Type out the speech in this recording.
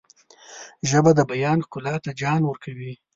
ژبه د بیان ښکلا ته جان ورکوي